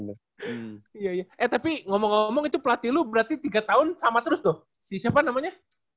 eh tapi ngomong ngomong itu pelatih lu berarti tiga tahun sama terus tuh si siapa namanya